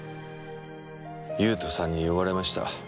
優人さんに言われました。